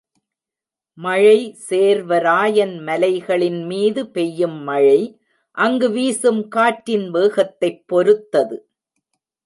மழை சேர்வராயன் மலைகளின் மீது பெய்யும் மழை அங்கு வீசும் காற்றின் வேகத்தைப் பொருத்தது.